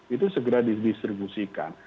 itu segera distribusikan